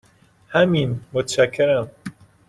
همین، متشکرم.